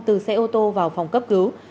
từ xe ô tô vào phòng cấp cứu